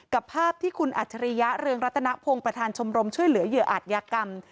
กับภาพที่คุณอัจริยาเรืองรัฐนโนโลค์ประธานชมรมช่วยเหลือเหยื่ออัฏยกรรม